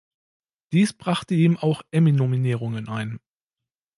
Dies brachte ihm auch Emmy-Nominierungen ein.